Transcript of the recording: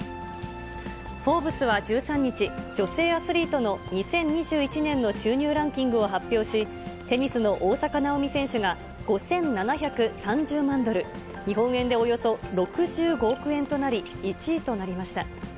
フォーブスは１３日、女性アスリートの２０２１年の収入ランキングを発表し、テニスの大坂なおみ選手が５７３０万ドル、日本円でおよそ６５億円となり、１位となりました。